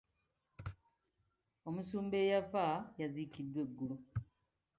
Omusumba eyafa yaziikiddwa eggulo.